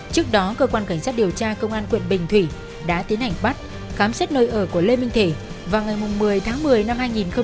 trước đó cơ quan cảnh sát điều tra công an quận bình thủy đã tiến hành bắt khám xét nơi ở của lê minh thể vào ngày một mươi tháng một mươi năm hai nghìn hai mươi ba